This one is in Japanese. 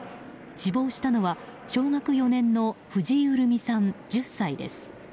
死亡したのは小学４年の藤井潤美さん、１０歳です。